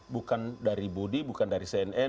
bukan dari budi bukan dari cnn